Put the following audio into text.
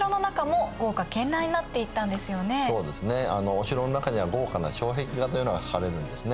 お城の中には豪華な障壁画というのが描かれるんですね。